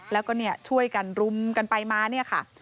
แล้วก็ช่วยกันรุมกันไปมาเนี่ยค่ะ